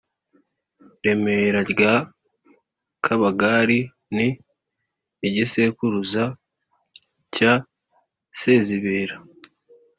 remera rya kabagari ni igisekuruza cya sezibera,